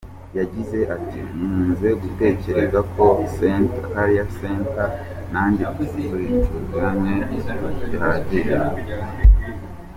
Yagize ati "Nkunze gutekereza ko Carter nanjye tuziranye bihagije.